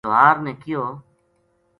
لوہار نے کہیو